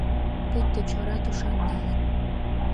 Пуйто чора тушан налын.